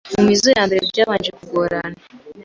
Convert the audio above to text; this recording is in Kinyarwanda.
Mu mizo ya mbere byabanje kugorana